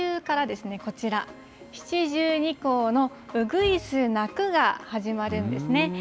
今週からですね、こちら、七十二候のうぐいすなくが始まるんですね。